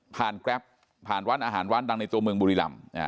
แกรปผ่านร้านอาหารร้านดังในตัวเมืองบุรีรำ